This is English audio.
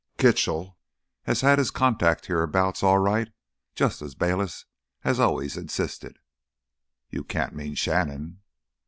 Kitchell has had his contact here abouts, all right, just as Bayliss has always insisted." "You can't mean Shannon!"